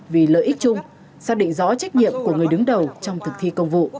vì lợi ích chung xác định rõ trách nhiệm của người đứng đầu trong thực thi công vụ